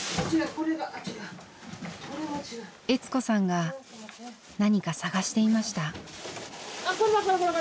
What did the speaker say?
悦子さんが何か探していました。